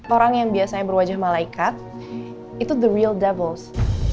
orang yang biasanya berwajah malaikat itu the real doubles